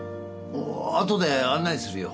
後で案内するよ